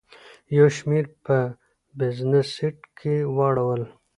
یو شمېر په بزنس سیټ کې واړول.